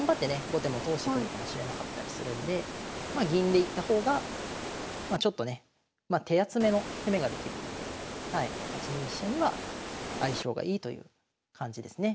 後手も通してくるかもしれなかったりするんでまあ銀でいった方がまあちょっとね手厚めの攻めができるので８二飛車には相性がいいという感じですね。